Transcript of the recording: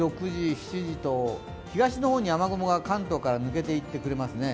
東の方に雨雲が関東から抜けていってくれますね。